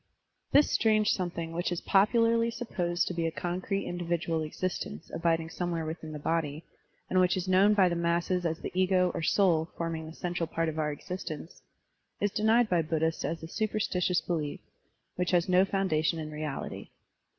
This strange something which is popularly supposed to be a concrete individual existence abiding somewhere within the body, and which is known by the masses as the ego or soul forming the central part of our existence, is denied by Buddhists as a superstitious belief, which has no foundation in reality.